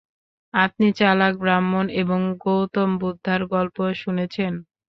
আপনি চালাক ব্রাহ্মণ এবং গৌতম বুদ্ধার গল্প শুনেছেন?